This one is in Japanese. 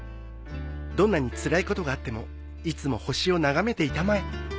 どんなにつらいことがあってもいつも星を眺めていたまえ。